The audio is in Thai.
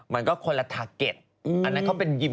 มันก็คนละทาเก็ตอันนั้นเขาเป็นยิม